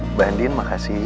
mbak andin makasih